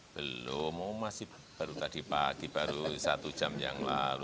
belum masih baru tadi pagi baru satu jam yang lalu